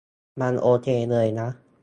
มันโอเคเลยนะ